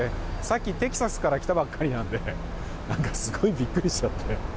さっきテキサスから来たばっかりなので何かすごいビックリしちゃって。